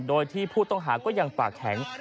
โดยที่ผู้ต้องหาก็ยังปากแข็ง